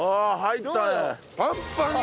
パンパンに！